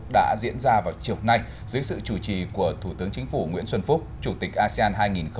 đã diễn ra vào chiều nay dưới sự chủ trì của thủ tướng chính phủ nguyễn xuân phúc chủ tịch asean hai nghìn hai mươi